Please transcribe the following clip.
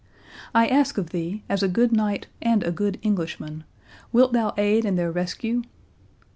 I ask of thee, as a good knight and a good Englishman, wilt thou aid in their rescue?"